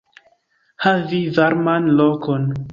Havi varman lokon.